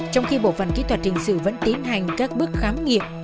trong khi bộ phần kỹ thuật trình sự vẫn tiến hành các bước thám nghiệm